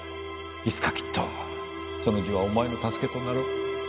いつかきっとその字はお前の助けとなろう。